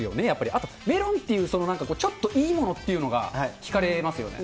あとメロンっていう、ちょっといいものっていうのが、ひかれますよね。